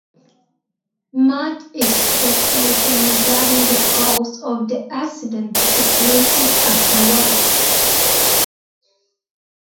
Much speculation regarding the cause of the accident circulated afterwards.